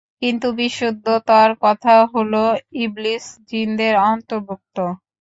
কিন্তু বিশুদ্ধতর কথা হলো, ইবলীস জিনদের অন্তর্ভুক্ত।